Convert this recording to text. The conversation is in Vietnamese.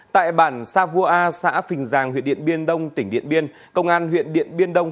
tại bản sa vua a xã phình giang huyện điện biên đông tỉnh điện biên công an huyện điện biên đông